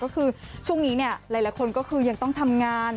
ก็คือช่วงนี้เนี่ยหลายคนก็คือยังต้องทำงาน